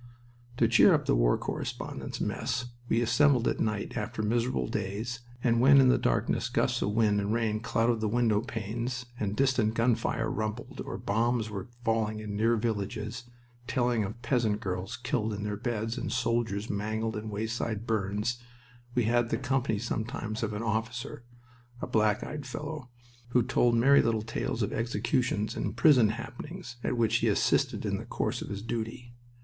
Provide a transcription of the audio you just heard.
To cheer up the war correspondents' mess when we assembled at night after miserable days, and when in the darkness gusts of wind and rain clouted the window panes and distant gun fire rumbled, or bombs were falling in near villages, telling of peasant girls killed in their beds and soldiers mangled in wayside burns, we had the company sometimes of an officer (a black eyed fellow) who told merry little tales of executions and prison happenings at which he assisted in the course of his duty.